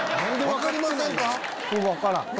分からん。